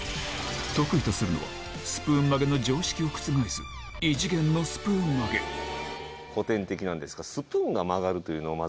得意とするのはスプーン曲げの常識を覆す異次元のスプーン曲げ古典的なんですがまず。